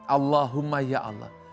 allahumma ya allah